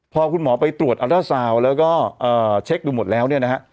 พอคุณหมอไปตรวจอัลด้าซาวน์แล้วก็เช็คดูหมดแล้วเนี่ยนะฮะ